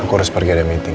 aku harus pergi ada meeting